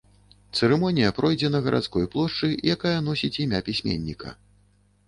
Цырымонія пройдзе на гарадской плошчы, якая носіць імя пісьменніка.